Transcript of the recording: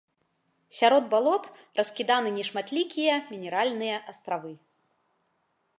Сярод балот раскіданы нешматлікія мінеральныя астравы.